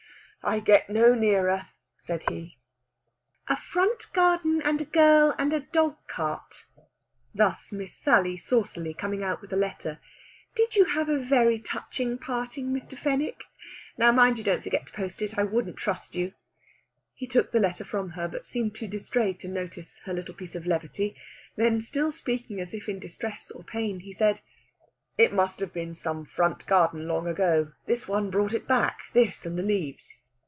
"I get no nearer," said he. "A front garden and a girl and a dog cart," thus Miss Sally saucily, coming out with the letter. "Did you have a very touching parting, Mr. Fenwick? Now, mind you don't forget to post it. I wouldn't trust you!" He took the letter from her, but seemed too distrait to notice her little piece of levity; then, still speaking as if in distress or pain, he said: "It must have been some front garden, long ago. This one brought it back this and the leaves.